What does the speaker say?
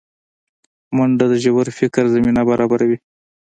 منډه د ژور فکر زمینه برابروي